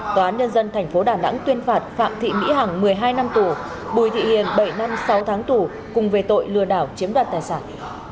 tòa án nhân dân tp đà nẵng tuyên phạt phạm thị mỹ hằng một mươi hai năm tù bùi thị hiền bảy năm sáu tháng tù cùng về tội lừa đảo chiếm đoạt tài sản